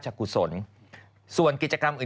จกศลส่วนกิจกรรม